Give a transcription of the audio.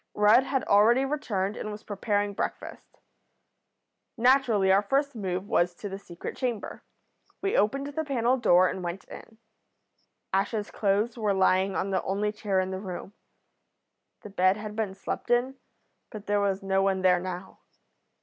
Rudd had already returned, and was preparing breakfast. Naturally our first move was to the secret chamber. We opened the panel door and went in. Ash's clothes were lying on the only chair in the room. The bed had been slept in, but there was no one there now.